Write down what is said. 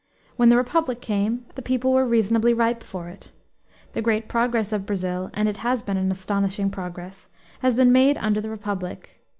When the republic came, the people were reasonably ripe for it. The great progress of Brazil and it has been an astonishing progress has been made under the republic.